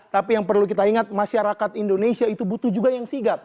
tapi yang perlu kita ingat masyarakat indonesia itu butuh juga yang sigap